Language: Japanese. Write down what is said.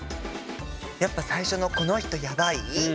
やっぱ最初の「この人ヤバい」